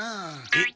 えっ。